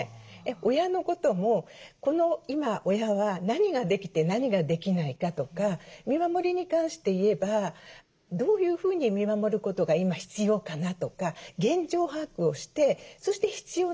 親のこともこの今親は何ができて何ができないかとか見守りに関して言えばどういうふうに見守ることが今必要かなとか現状把握をしてそして必要なところにですね